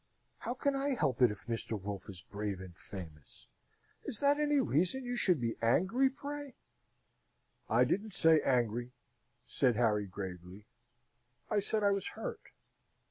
How can I help it if Mr. Wolfe is brave and famous? Is that any reason you should be angry, pray?" "I didn't say angry," said Harry, gravely. "I said I was hurt."